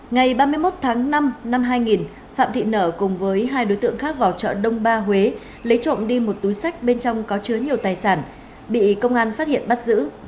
ngày ba mươi một tháng năm năm hai nghìn phạm thị nở cùng với hai đối tượng khác vào chợ đông ba huế lấy trộm đi một túi sách bên trong có chứa nhiều tài sản bị công an phát hiện bắt giữ